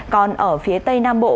còn ở phía tây nam bộ